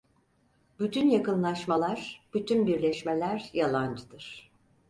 Bütün yakınlaşmalar, bütün birleşmeler yalancıdır.